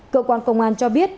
cơ quan công an cho biết